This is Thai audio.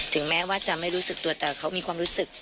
แม้ว่าจะไม่รู้สึกตัวแต่เขามีความรู้สึก